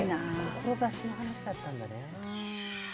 志の話だったんだね。